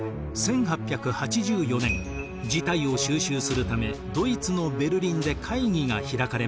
１８８４年事態を収拾するためドイツのベルリンで会議が開かれました。